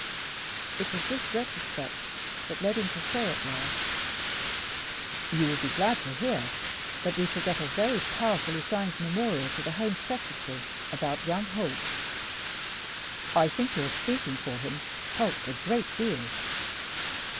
It was this retrospect that led him to say at last "You will be glad to hear that we shall get a very powerfully signed memorial to the Home Secretary about young Holt. I think your speaking for him helped a great deal.